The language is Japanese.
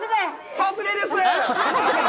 外れです。